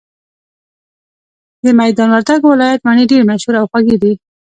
د ميدان وردګو ولايت مڼي ډيري مشهوره او خوږې دي